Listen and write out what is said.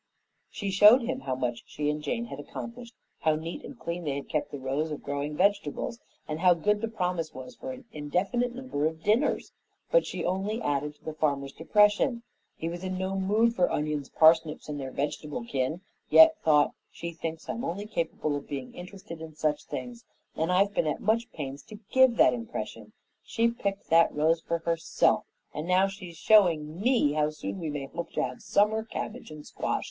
She showed him how much she and Jane had accomplished, how neat and clean they had kept the rows of growing vegetables, and how good the promise was for an indefinite number of dinners, but she only added to the farmer's depression. He was in no mood for onions, parsnips, and their vegetable kin, yet thought, "She thinks I'm only capable of being interested in such things, and I've been at much pains to give that impression. She picked that rose for HERSELF, and now she's showing ME how soon we may hope to have summer cabbage and squash.